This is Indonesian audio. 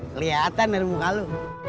kelihatan dari muka lu